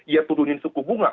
ya turunin suku bunga